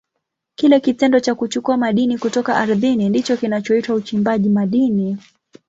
Kile kitendo cha kuchukua madini kutoka ardhini ndicho kinachoitwa uchimbaji madini.